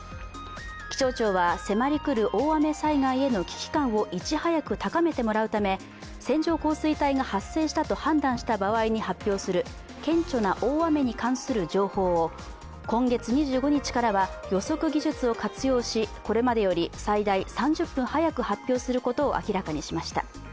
気象庁は迫り来る大雨災害への危機感をいち早く高めてもらうため線状降水帯が発生したと判断した場合に発表する顕著な大雨に関する情報を今月２５日からは予測技術を活用し、これまでより最大３０分早く発表することを明らかにしました。